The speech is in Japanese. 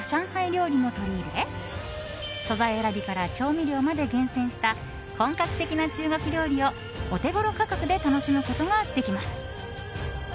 料理も取り入れ素材選びから調味料まで厳選した本格的な中国料理をお手頃価格で楽しむことができます。